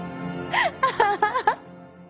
アハハハ。